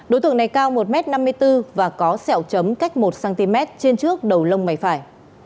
đối tượng này cao một m năm mươi bốn và có sẹo chấm cách một cm trên trước đầu lông mày phải